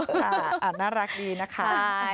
ค่ะน่ารักดีนะคะ